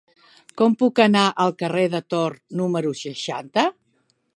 Com puc anar al carrer de Tort número seixanta?